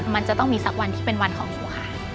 มันจะต้องมีสักวันที่เป็นวันของหนูค่ะ